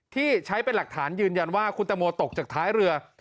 ที่ใช้เป็นหลักฐานยืนยันว่าคุณตังโมตกจากท้ายเรือ